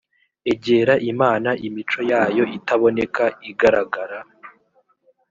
egera imana imico yayo itaboneka igaragara